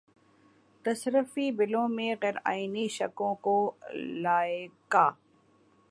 تصرفی بِلوں میں غیرآئینی شقوں کو لائے گا